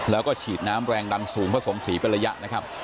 แล้วก็ฉีดน้ำแรงดันสูงผสมสีเป็นระยะนะครับ